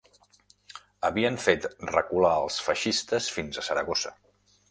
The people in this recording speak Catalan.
Havien fet recular els feixistes fins a Saragossa